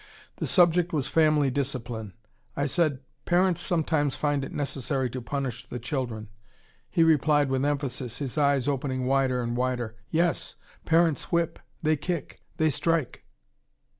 The subject was family discipline; I said, "Parents sometimes find it necessary to punish the children." He replied with emphasis, his eyes opening wider and wider, "Yes, parents whip, they kick, they strike."